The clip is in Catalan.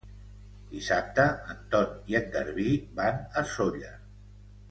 Dissabte en Ton i en Garbí van a Sóller.